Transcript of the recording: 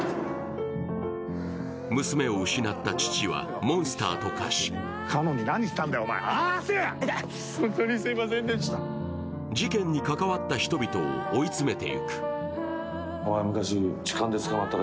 娘を失った父は、モンスターと化し事件に関わった人々を追い詰めていく。